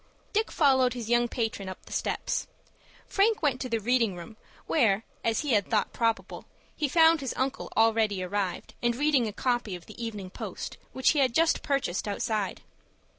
Dick followed his young patron up the steps. Frank went to the reading room, where, as he had thought probable, he found his uncle already arrived, and reading a copy of "The Evening Post," which he had just purchased outside.